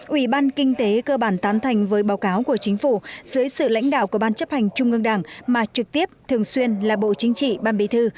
ủy ban kinh tế cơ bản tán thành với báo cáo của chính phủ dưới sự lãnh đạo của ban chấp hành trung ương đảng mà trực tiếp thường xuyên là bộ chính trị ban bí thư